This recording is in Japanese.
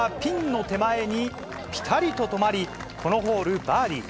ボールはピンの手前にぴたりと止まり、このホール、バーディー。